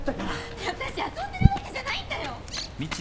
ねえあたし遊んでるわけじゃないんだよ！？